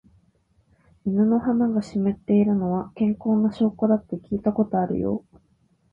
犬の鼻が湿っているのは、健康な証拠だって聞いたことあるよ。